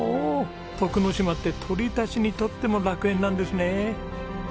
徳之島って鳥たちにとっても楽園なんですね。